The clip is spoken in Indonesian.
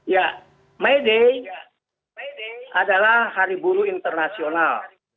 ya may day adalah hari buruh internasional